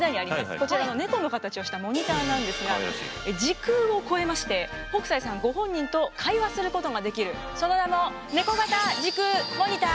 こちらの猫の形をしたモニターなんですが時空を超えまして北斎さんご本人と会話することができるその名もネコ型時空モニター！